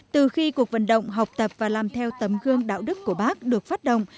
từ khi cuộc vận động học tập và làm theo tấm gương đạo đức của bác được phát động